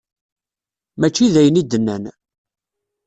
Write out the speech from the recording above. Mačči d ayen i d-nnan.